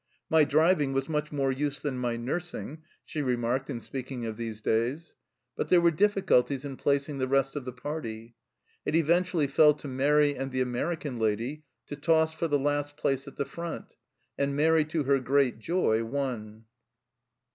"My driving was much more use than my nursing," 60 THE CELLAR HOUSE OF PERVYSE she remarked, in speaking of these days ; but there were difficulties in placing the rest of the party. It eventually fell to Mairi and the American lady to toss for the last place at the front, and Mairi, to her great joy, won.